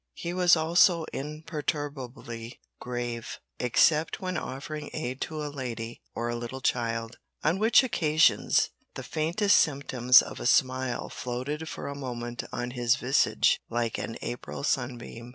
He was also imperturbably grave, except when offering aid to a lady or a little child, on which occasions the faintest symptoms of a smile floated for a moment on his visage like an April sunbeam.